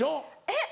えっ？